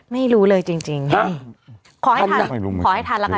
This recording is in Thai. ไม่รู้เลยจริงจริงขอให้ทันขอให้ทันแล้วกัน